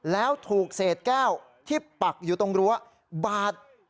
แล้วถูกเศษแก้วที่ปักอยู่ตรงรั้วบาด